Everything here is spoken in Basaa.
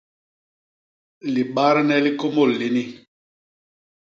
Libadne li kômôl lini.